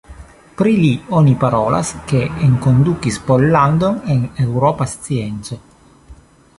Pri li oni parolas ke enkondukis Pollandon en eŭropa scienco.